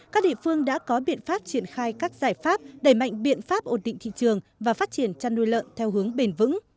các địa phương đã có biện pháp triển khai các giải pháp đẩy mạnh biện pháp ổn định thị trường và phát triển chăn nuôi lợn theo hướng bền vững